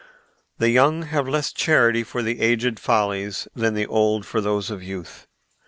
The young have less charity for aged follies than the old for those of youth.